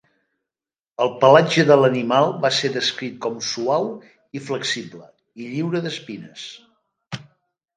El pelatge de l'animal va ser descrit com suau i flexible, i lliure d'espines.